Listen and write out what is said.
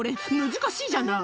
難しいじゃない。